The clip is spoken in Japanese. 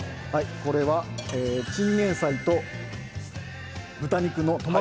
これはチンゲンサイと豚肉のトマトソース炒めです。